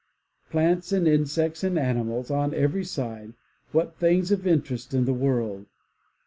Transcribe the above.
Plants and insects and animals, — on every side, what things, of interest in the world.